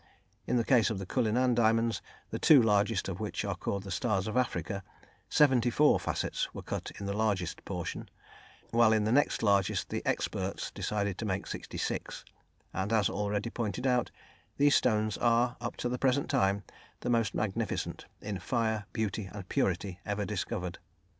In the case of the Cullinan diamonds, the two largest of which are called the Stars of Africa, 74 facets were cut in the largest portion, while in the next largest the experts decided to make 66, and, as already pointed out, these stones are, up to the present time, the most magnificent in fire, beauty and purity ever discovered.